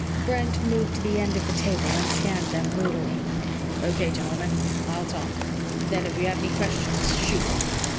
Brent moved to the end of the table and scanned them moodily. "Okay, gentlemen. I'll talk. Then if you have any questions shoot them."